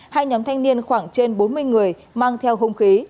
hai nhóm thanh niên khoảng trên bốn mươi người mang theo hung khí